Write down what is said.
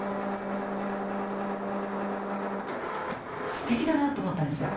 すてきだなと思ったんですよ。